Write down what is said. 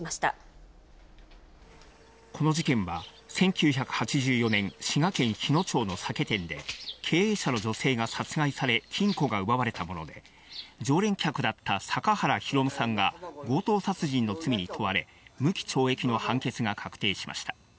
この事件は、１９８４年、滋賀県日野町の酒店で、経営者の女性が殺害されて金庫が奪われたもので、常連客だった阪原弘さんが、強盗殺人の罪に問われ、無期懲役の判決が確定しました。